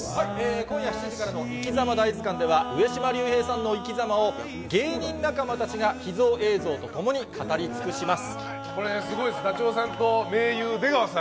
今夜７時からの『いきざま大図鑑』では上島竜兵さんの生き様を芸人仲間たちが秘蔵映像とともに語り尽くします。